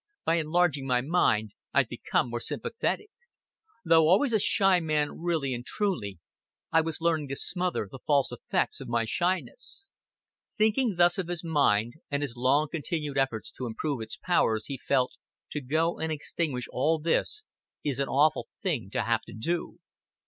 By enlarging my mind I'd become more sympathetic. Though always a shy man really and truly, I was learning to smother the false effects of my shyness." Thinking thus of his mind, and his long continued efforts to improve its powers, he felt: "To go and extinguish all this is an awful thing to have to do."